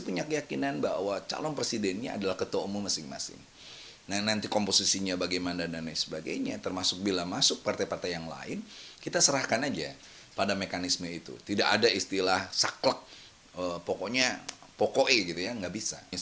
dan wakil presiden tidak diisi kandidat dari pkb